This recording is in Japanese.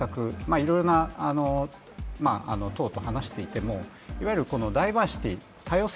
いろいろな党と話していてもいわゆるダイバーシティー多様性